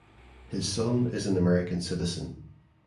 His son is an American citizen.